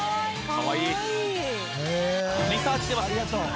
かわいい。